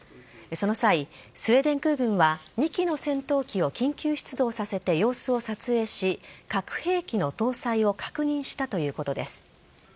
その際、スウェーデン空軍は２機の戦闘機を緊急出動させて様子を撮影し核兵器の搭載を確認したということです。